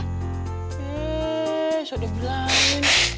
eh sudah bilang